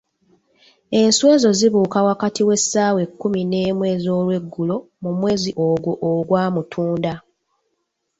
Enswa ezo zibuuka wakati w'essaawa ekkumu n'emu ez'olweggulo mu mwezi ogwo ogwa Mutunda.